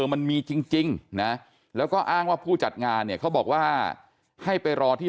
มันมีจริงนะแล้วก็อ้างว่าผู้จัดงานเนี่ยเขาบอกว่าให้ไปรอที่